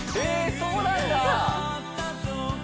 そうなんだ！